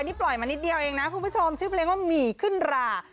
นี่เปล่าอันนี้หรอกล่ะครับไหมคุณผู้ชมชื่อเพลงว่าหมี่ขึ้นรา